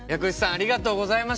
ありがとうございます。